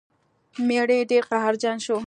میړه یې ډیر قهرجن شو.